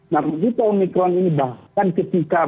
nah begitu omikron ini bahkan ketika